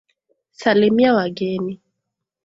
Salimia wageni.